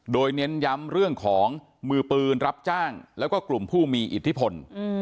โดยเน้นย้ำเรื่องของมือปืนรับจ้างแล้วก็กลุ่มผู้มีอิทธิพล